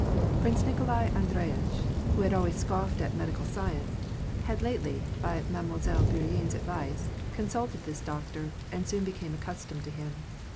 Prince Nikolai Andreyitch, who had always scoffed at medical science, had lately, by Mademoiselle Bourienne's advice, con sulted this doctor, and soon became accustomed to him.